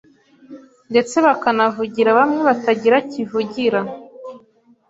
ndetse bakanavugira bamwe batagira kivugira,